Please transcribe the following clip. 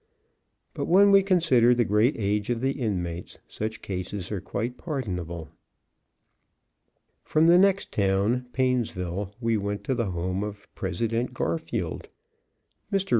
But when we consider the great age of the inmates, such cases are quite pardonable. From the next town, Painesville, we went to the home of President Garfield. Mr.